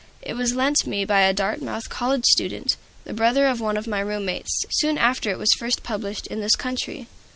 It was lent me by a Dartmouth College student, the brother of one of my room mates, soon after it was first published in this country.